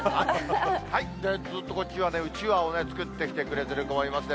ずっとこっちはね、うちわを作ってきてくれてる子もいますね。